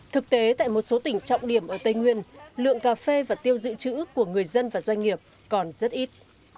thực tế tại một số tỉnh trọng điểm ở tây nguyên lượng cà phê và tiêu dự trữ của người dân và doanh nghiệp còn rất ít